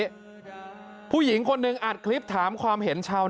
มาเป็นถุงแบบนี้ผู้หญิงคนนึงอัดคลิปถามความเห็นชาว